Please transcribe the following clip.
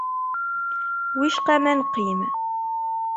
Wicqa ma neqqim?